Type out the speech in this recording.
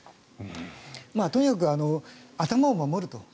とにかく頭を守ると。